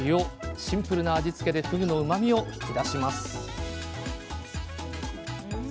シンプルな味付けでふぐのうまみを引き出します